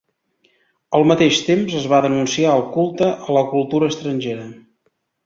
Al mateix temps es va denunciar el "culte" a la cultura estrangera.